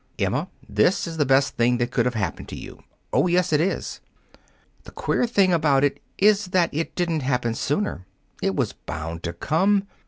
"Emma, this is the best thing that could have happened to you. Oh, yes, it is. The queer thing about it is that it didn't happen sooner. It was bound to come.